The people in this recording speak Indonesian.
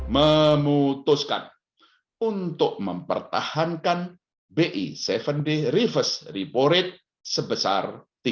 memutuskan untuk mempertahankan bi tujuh d reverse report sebesar tiga lima puluh